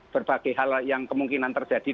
berbagai hal yang kemungkinan terjadi